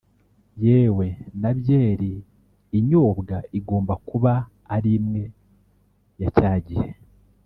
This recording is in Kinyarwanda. yewe na byeri inyobwa igomba kuba ari imwe ya cya gihe